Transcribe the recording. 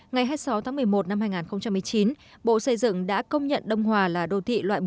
ngày hai mươi sáu tháng một mươi một năm hai nghìn một mươi chín bộ xây dựng đã công nhận đông hòa là đô thị loại một